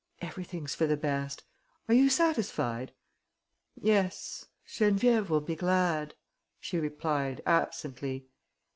"Everything's for the best. Are you satisfied?" "Yes, Geneviève will be glad," she replied, absently.